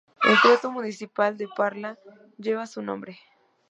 El Teatro municipal de Parla lleva su nombre.